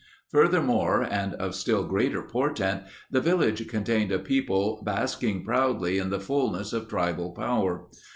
Furthermore, and of still greater portent, the village contained a people basking proudly in the fullness of tribal power.